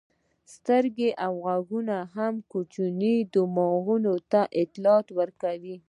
سترګې او غوږونه هم کوچني دماغ ته اطلاعات ورکوي.